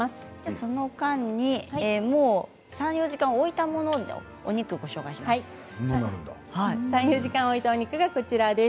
その間に３、４時間置いたもの、お肉ご紹介します。